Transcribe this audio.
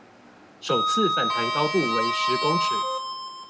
首次反彈高度為十公尺